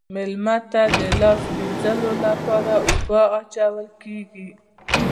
میلمه ته د لاس مینځلو لپاره اوبه اچول کیږي.